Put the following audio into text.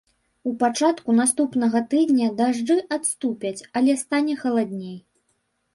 У пачатку наступнага тыдня дажджы адступяць, але стане халадней.